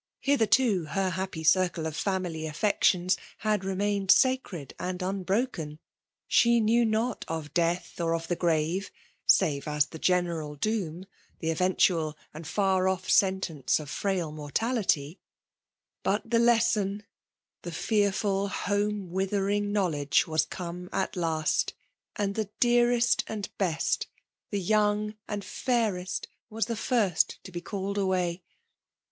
Hitherto her happy circle of family affections had remained sacred and unbroken ; she knew not of death or of the grave, save as the gene ral doom, the eventual and far off sentence of leO FEMALE BOMlNAtTON. frail mortality. But the lesson — ^the fbarfiil home withering knowledge — ^was come at last ; and the dearest and best, — the young and fairest was the first to be called away.